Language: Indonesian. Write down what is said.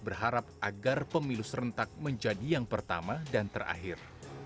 berharap agar pemilu serentak menjadi yang pertama dan terakhir